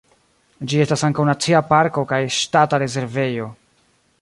Ĝi estas ankaŭ nacia parko kaj ŝtata rezervejo.